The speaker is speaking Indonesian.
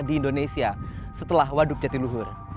di indonesia setelah waduk jati luhur